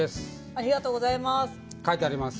ありがとうございます。